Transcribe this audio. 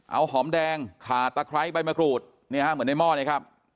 เอาหอมแดงขาตะไคร้ใบมะกรูดเนี่ยฮะเหมือนในหม้อเนี่ยครับ